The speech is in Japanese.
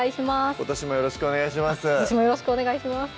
今年もよろしくお願いします